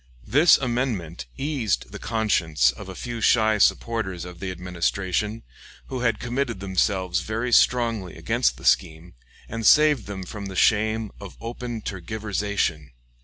This amendment eased the conscience of a few shy supporters of the Administration who had committed themselves very strongly against the scheme, and saved them from the shame of open tergiversation.